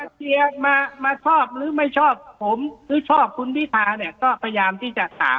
เชียร์มาชอบหรือไม่ชอบผมหรือชอบคุณพิธาเนี่ยก็พยายามที่จะถาม